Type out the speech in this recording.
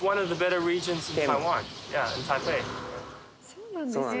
そうなんですね。